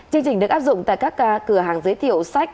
chương trình được áp dụng tại các cửa hàng giới thiệu sách